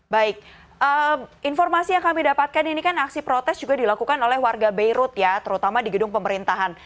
baik informasi yang kami dapatkan ini kan aksi protes juga dilakukan oleh warga beirut ya terutama di gedung pemerintahan